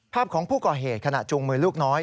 ของผู้ก่อเหตุขณะจูงมือลูกน้อย